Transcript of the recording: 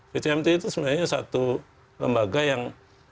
ptmt itu sebenarnya satu lembaga yang